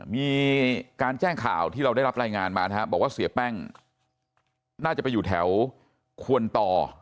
มีการแจ้งข่าวที่เราได้รับรายงานมานะครับบอกว่าเสียแป้งน่าจะไปอยู่แถวควนต่อ